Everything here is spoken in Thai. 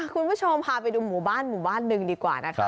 คุณผู้ชมพาไปดูหมู่บ้านหมู่บ้านหนึ่งดีกว่านะคะ